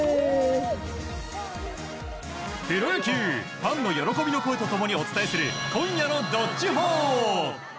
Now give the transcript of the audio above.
プロ野球ファンの喜びの声と共にお伝えする今夜の「＃どっちほー」。